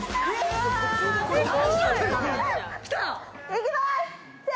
いきます！